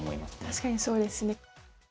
確かにそうですね。